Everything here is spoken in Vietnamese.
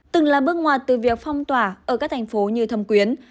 từng là bước ngoài từ việc phong tỏa ở các thành phố như thâm quyến